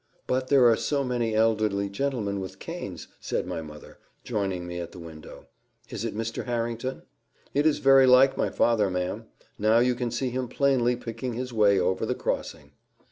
"But there are so many elderly gentlemen with canes," said my mother, joining me at the window. "Is it Mr. Harrington?" "It is very like my father, ma'am. Now you can see him plainly picking his way over the crossing."